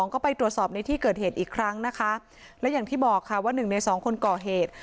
ก็ไปตรวจสอบในที่เกิดเหตุอีกครั้งนะคะและอย่างที่บอกค่ะว่าหนึ่งในสองคนก่อเหตุ